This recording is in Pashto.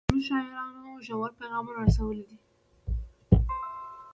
زموږ شاعرانو ژور پیغامونه رسولي دي.